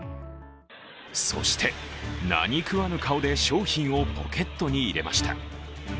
そして、何食わぬ顔で商品をポケットに入れました。